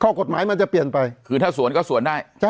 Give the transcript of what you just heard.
เพราะฉะนั้นประชาธิปไตยเนี่ยคือการยอมรับความเห็นที่แตกต่าง